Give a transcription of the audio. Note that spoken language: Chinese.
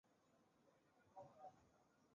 高墩四周有多条河流环绕。